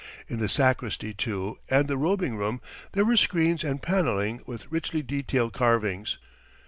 In the sacristy, too, and the robing room, there were screens and paneling with richly detailed carvings.